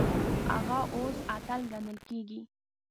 هغه اوس اتل ګڼل کیږي.